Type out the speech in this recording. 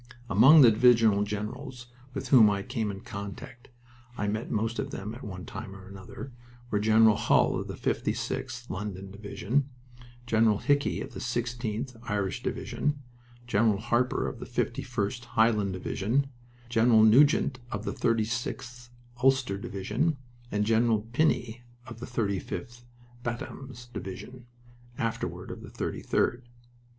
Among the divisional generals with whom I came in contact I met most of them at one time or another were General Hull of the 56th (London) Division, General Hickey of the 16th (Irish) Division, General Harper of the 51st (Highland) Division, General Nugent of the 36th (Ulster) Division, and General Pinnie of the 35th (Bantams) Division, afterward of the 33d.